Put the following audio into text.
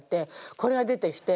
これが出てきて。